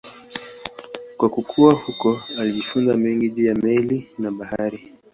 Kwa kukua huko alijifunza mengi juu ya meli na bahari.